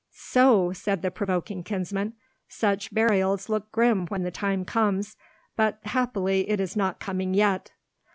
"So!" said the provoking kinsman; "such burials look grim when the time comes, but happily it is not coming yet!"